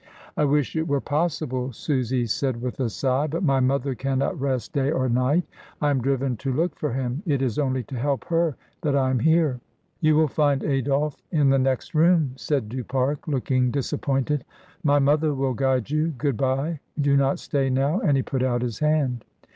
"I wish it were possible," Susy said with a sigh; "but my mother cannot rest day or night. I am driven to look for him. It is only to help her that I am here." "You will find Adolphe in the next room," said Du Pare, looking disappointed. "My mother will guide you. Good bye; do not stay now," and he put out his hand.